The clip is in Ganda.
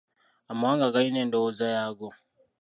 Amawanga galina endowooza yaago.